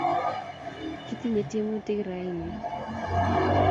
Kitinye tyemutik raini